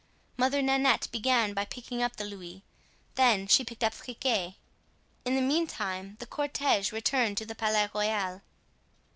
Mother Nanette began by picking up the louis; then she picked up Friquet. In the meantime the cortege returned to the Palais Royal.